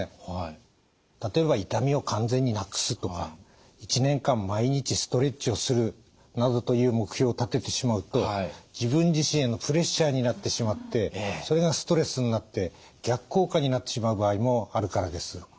例えば「痛みを完全になくす」とか「１年間毎日ストレッチをする」などという目標を立ててしまうと自分自身へのプレッシャーになってしまってそれがストレスになって逆効果になってしまう場合もあるからです。